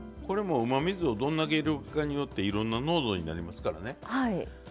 これもうまみ酢をどんだけ入れるかによっていろんな濃度になりますからね。